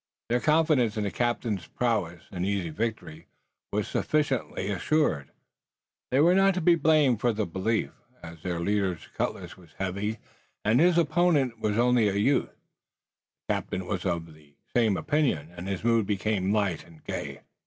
Their confidence in the captain's prowess and easy victory was sufficient assurance. They were not to be blamed for the belief, as their leader's cutlass was heavy and his opponent was only a youth. The captain was of the same opinion and his mood became light and gay.